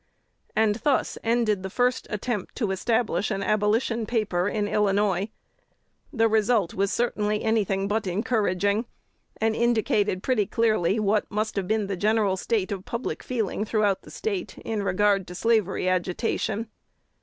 And thus ended the first attempt to establish an abolition paper in Illinois. The result was certainly any thing but encouraging, and indicated pretty clearly what must have been the general state of public feeling throughout the State in regard to slavery agitation.